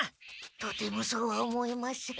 とてもそうは思えません。